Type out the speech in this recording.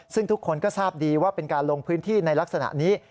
ซึ่งทุกคนก็ทราบดีว่าเป็นการลงพื้นที่ในลักษณะนี้